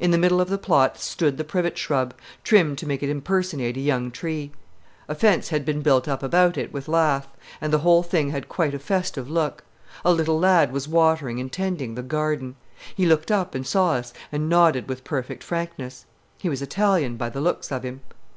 In the middle of the plot stood the privet shrub, trimmed to make it impersonate a young tree. A fence had been built about it with lath, and the whole thing had quite a festive look. A little lad was watering and tending the "garden." He looked up and saw us and nodded with perfect frankness. He was Italian, by the looks of him.